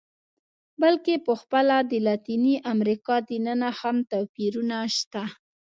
بلکې په خپله د لاتینې امریکا دننه هم توپیرونه شته.